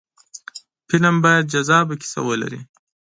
فلم باید جذابه کیسه ولري